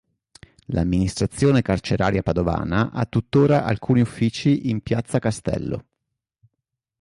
L'Amministrazione carceraria padovana ha tuttora alcuni uffici in Piazza Castello.